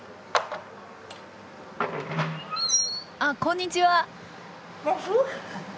あっこんにちは。